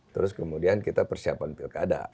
terus kemudian kita persiapan pilkada